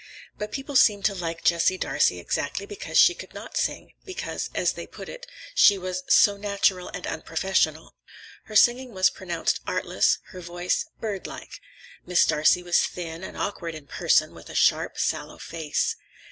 But people seemed to like Jessie Darcey exactly because she could not sing; because, as they put it, she was "so natural and unprofessional." Her singing was pronounced "artless," her voice "birdlike." Miss Darcey was thin and awkward in person, with a sharp, sallow face.